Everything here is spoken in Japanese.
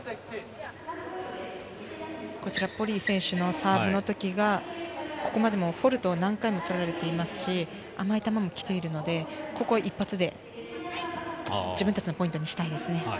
ポリイ選手のサーブのときがここまでフォルトを何回もしていまし、甘い球も来ているので、一発で自分たちのポイントにしたいですね。